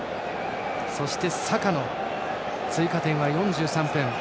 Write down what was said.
そして、サカの追加点は４３分。